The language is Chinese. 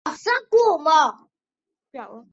叶片对臂虫为海绵盘虫科对臂虫属的动物。